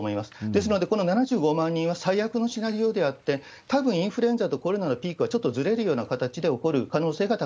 ですので、この７５万人は最悪のシナリオであって、たぶんインフルエンザとコロナのピークはちょっとずれるような形なるほど。